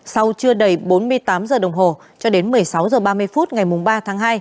sau chưa đầy bốn mươi tám giờ đồng hồ cho đến một mươi sáu h ba mươi phút ngày ba tháng hai